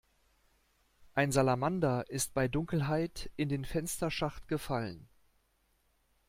Ein Salamander ist bei Dunkelheit in den Fensterschacht gefallen.